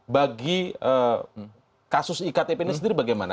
bagi kasus iktp ini sendiri bagaimana